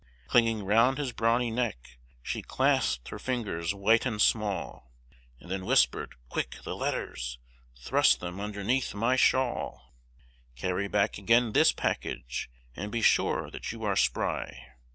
Clinging round his brawny neck, she clasped her fingers white and small, And then whispered, "Quick! the letters! thrust them underneath my shawl! Carry back again this package, and be sure that you are spry!"